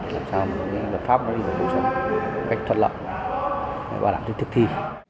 làm sao lập pháp được hỗ trợ cách thuận lợi và làm thức thực thi